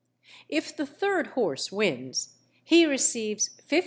_; if the third horse wins, he receives 56_l.